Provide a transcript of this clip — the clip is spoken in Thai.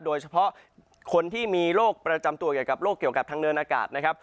โดยเฉพาะคนที่มีโรคประจำตัวเกี่ยวกับโรคเกี่ยวกับทางเดินอากาศนะครับ